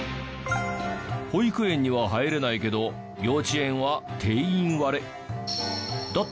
保育園には入れないけど幼稚園は定員割れ。